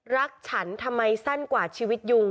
รักฉันทำไมสั้นกว่าชีวิตยุง